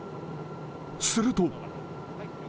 すると。